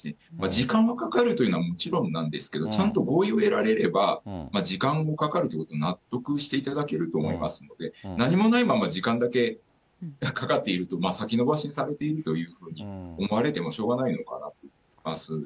時間がかかるというのはもちろんなんですけど、ちゃんと合意を得られれば、時間がかかるということに納得していただけると思いますので、何もないまま時間だけかかっていると、先延ばしされているというふうに思われてもしょうがないのかなと思います。